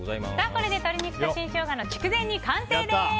これで鶏肉と新ショウガの筑前煮、完成です！